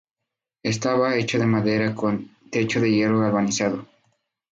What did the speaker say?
Estaba hecha de madera con techo de hierro galvanizado.